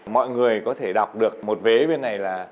mọi người có thể đọc được một vé bên này là